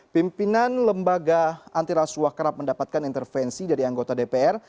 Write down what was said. pimpinan lembaga antiraswa kerap mendapatkan intervensi dari anggota dpr